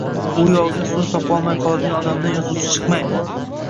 u yog’iga so’z topolmay qoladigan odamdan yozuvchi chiqmaydi.